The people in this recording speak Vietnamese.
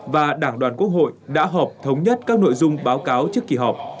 và đảng đoàn quốc hội đã họp thống nhất các nội dung báo cáo trước kỳ họp